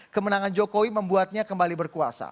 kemenangan jokowi membuatnya kembali berkuasa